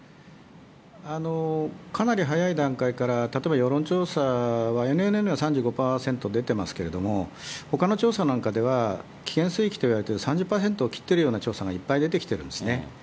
かなり早い段階から、例えば世論調査は、ＮＮＮは３５％出てますけれども、ほかの調査なんかでは、危険水域といわれてる３０％を切ってるような調査がいっぱい出てきてるんですね。